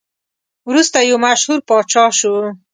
وروسته یو مشهور پاچا شو.